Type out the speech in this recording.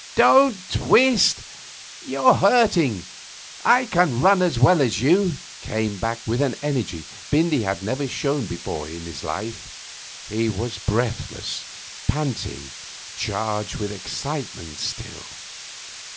'Don't twist! You're hurting! I can run as well as you!' came back, with an energy Bindy had never shown before in his life. He was breathless, panting, charged with excitement still.